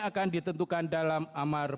akan ditentukan dalam amar